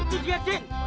itu dia don